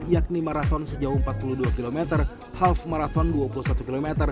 yakni maraton sejauh empat puluh dua km half marathon dua puluh satu km